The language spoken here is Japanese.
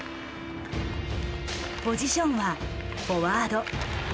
ポジションはフォワード。